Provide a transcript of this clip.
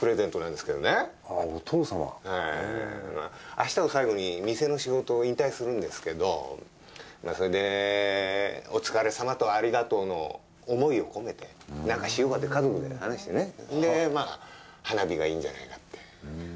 明日を最後に店の仕事を引退するんですけどそれでお疲れさまとありがとうの思いを込めて何かしようかって家族で話してねでまぁ花火がいいんじゃないかって。